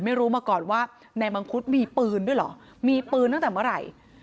ไม่รู้มาก่อนว่านายมังคุดมีปืนด้วยเหรอมีปืนตั้งแต่เมื่อไหร่